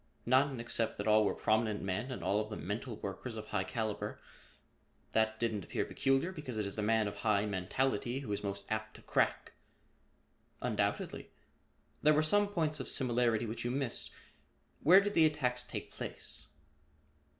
"None except that all were prominent men and all of them mental workers of high caliber. That didn't appear peculiar because it is the man of high mentality who is most apt to crack." "Undoubtedly. There were some points of similarity which you missed. Where did the attacks take place?"